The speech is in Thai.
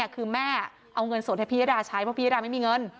คือแม่เอาเงินสดให้พี่ยดาใช้เพราะพี่ยดาไม่มีเงิน